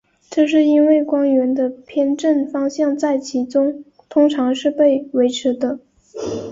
这是因为光源的偏振方向在其中通常是被维持的。